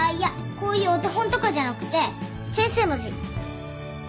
こういうお手本とかじゃなくて先生の字。